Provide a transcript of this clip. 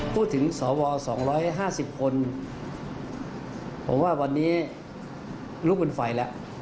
สว๒๕๐คนผมว่าวันนี้ลุกเป็นไฟแล้ว